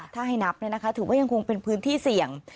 ถ้าให้นับถือว่ายังคงเป็นพื้นที่เสี่ยง